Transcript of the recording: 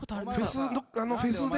フェスで。